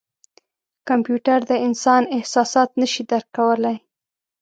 کمپیوټر د انسان احساسات نه شي درک کولای.